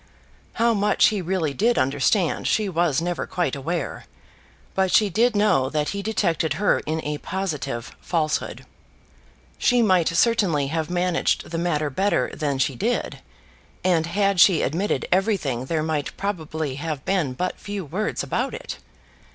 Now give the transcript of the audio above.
How much he really did understand she was never quite aware; but she did know that he detected her in a positive falsehood. She might certainly have managed the matter better than she did; and had she admitted everything there might probably have been but few words about it.